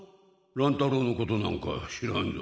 乱太郎のことなんか知らんぞ。